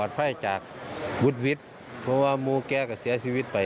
ทั้ง๖คนรอดกันแค่๕คนครับ